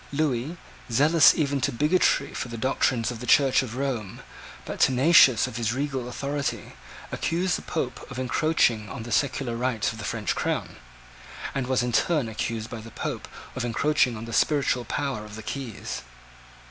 Lewis, zealous even to bigotry for the doctrines of the Church of Rome, but tenacious of his regal authority, accused the Pope of encroaching on the secular rights of the French Crown, and was in turn accused by the Pope of encroaching on the spiritual power of the keys.